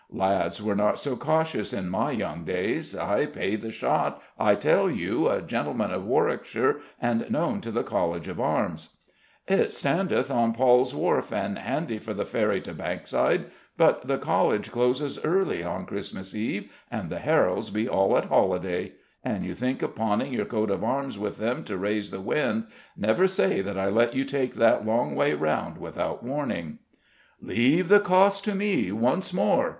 "Lads were not so cautious in my young days. I pay the shot, I tell you a gentleman of Warwickshire and known to the College of Arms." "It standeth on Paul's Wharf and handy for the ferry to Bankside: but the College closes early on Christmas Eve, and the Heralds be all at holiday. An you think of pawning your coat of arms with them to raise the wind, never say that I let you take that long way round without warning." "Leave the cost to me, once more!"